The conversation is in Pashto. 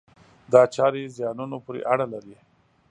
دا چارې زیانونو پورې اړه لري.